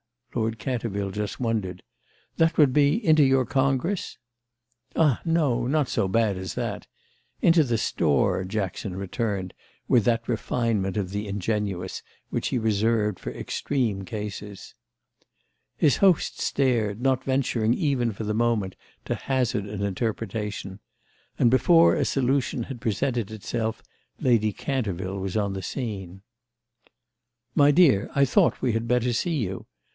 Lord Canterville just wondered. "That would be into your Congress?" "Ah no, not so bad as that. Into the store," Jackson returned with that refinement of the ingenuous which he reserved for extreme cases. His host stared, not venturing even for the moment to hazard an interpretation; and before a solution had presented itself Lady Canterville was on the scene. "My dear, I thought we had better see you.